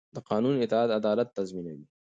د قانون اطاعت عدالت تضمینوي